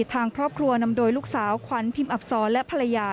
ทางครอบครัวนำโดยลูกสาวขวัญพิมพ์อักษรและภรรยา